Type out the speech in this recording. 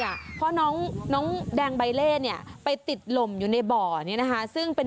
เพราะน้องน้องแดงใบเล่เนี่ยไปติดลมอยู่ในบ่อนี้นะคะซึ่งเป็น